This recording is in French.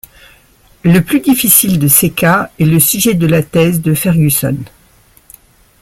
Le plus difficile de ces cas est le sujet de la thèse de Ferguson.